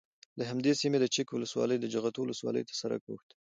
له همدې سیمې د چک له ولسوالۍ د جغتو ولسوالۍ ته سرک اوښتی،